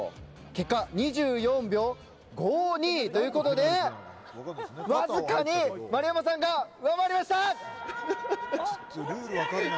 結果、２４秒５２！ということでわずかに丸山さんが上回りました。